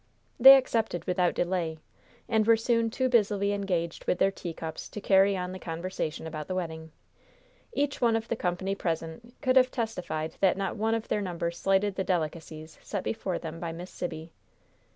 They accepted without delay. And were soon too busily engaged with their teacups to carry on the conversation about the wedding. Each one of the company present could have testified that not one of their number slighted the delicacies set before them by Miss Sibby.